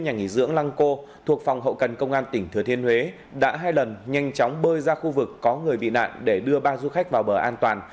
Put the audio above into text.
nhà nghỉ dưỡng lăng cô thuộc phòng hậu cần công an tỉnh thừa thiên huế đã hai lần nhanh chóng bơi ra khu vực có người bị nạn để đưa ba du khách vào bờ an toàn